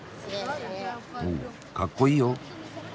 おかっこいいよ。